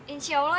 insya allah ya mas